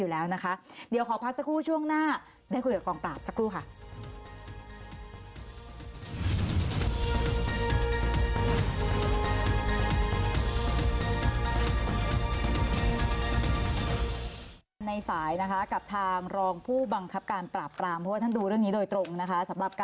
อยู่แล้วนะคะเดี๋ยวขอพักสักครู่ช่วงหน้าได้คุยกับกองปราบสักครู่ค่ะ